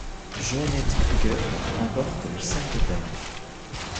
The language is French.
Joannette Kruger remporte le simple dames.